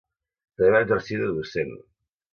També va exercir de docent.